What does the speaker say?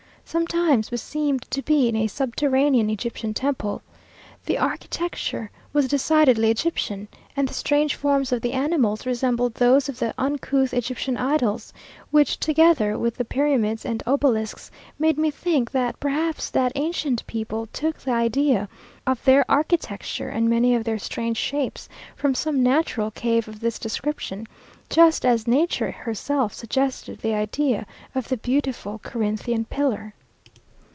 Sometimes we seemed to be in a subterranean Egyptian temple. The architecture was decidedly Egyptian, and the strange forms of the animals resembled those of the uncouth Egyptian idols; which, together with the pyramids and obelisks, made me think, that perhaps that ancient people took the idea of their architecture and of many of their strange shapes from some natural cave of this description, just as nature herself suggested the idea of the beautiful Corinthian pillar.